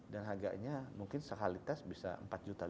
dan harganya mungkin sekali test bisa empat juta lima juta